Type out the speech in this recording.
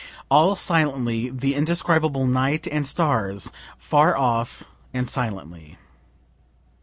All silently the indescribable night and stars far off and silently.